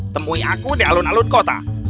temui aku di alun alun kota